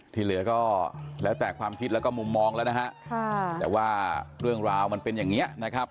ที่เหลือก็แล้วแต่ความคิดแล้วก็มุมมองแล้วนะฮะแต่ว่าเรื่องราวมันเป็นอย่างนี้นะครับ